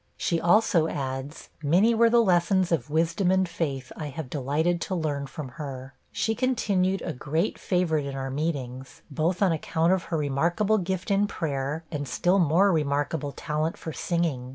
She also adds, 'Many were the lessons of wisdom and faith I have delighted to learn from her.' .... 'She continued a great favorite in our meetings, both on account of her remarkable gift in prayer, and still more remarkable talent for singing